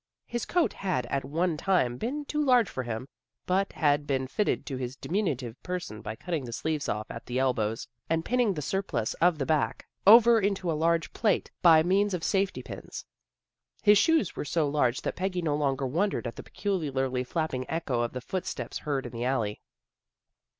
His coat had at one time been too large for him, but had been fitted to his diminutive person by cutting the sleeves off at the elbows and pinning the surplus of the back 112 THE GIRLS OF FRIENDLY TERRACE over into a large plait by means of safety pins. His shoes were so large that Peggy no longer wondered at the peculiar flapping echo of the footsteps heard in the alley.